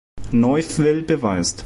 Neufville beweist.